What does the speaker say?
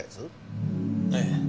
ええ。